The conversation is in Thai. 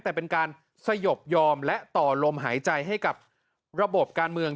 แต่เป็นการสยบยอมและต่อลมหายใจให้กับระบบการเมือง